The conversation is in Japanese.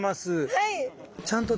はい。